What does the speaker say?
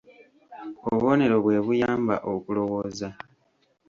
Obubonero bwe buyamba okulowooza.